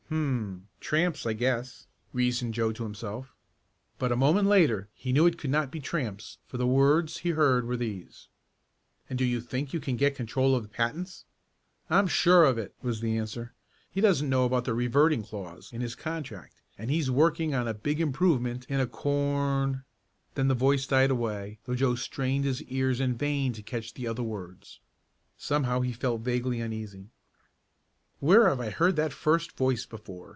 "Hum! Tramps I guess," reasoned Joe to himself. But a moment later he knew it could not be tramps for the words he heard were these: "And do you think you can get control of the patents?" "I'm sure of it," was the answer. "He doesn't know about the reverting clause in his contract, and he's working on a big improvement in a corn " Then the voice died away, though Joe strained his ears in vain to catch the other words. Somehow he felt vaguely uneasy. "Where have I heard that first voice before?"